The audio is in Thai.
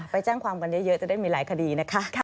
ไปแจ้งความกันเยอะจะได้มีหลายคดีนะคะ